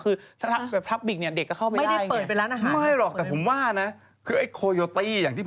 คือแบบพลับบิ๊กเนี่ยเด็กก็เข้าไปได้ไง